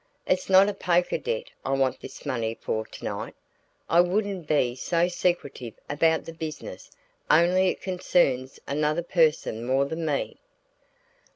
It's not a poker debt I want this money for tonight; I wouldn't be so secretive about the business, only it concerns another person more than me."